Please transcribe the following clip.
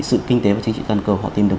sự kinh tế và chính trị toàn cầu họ tìm được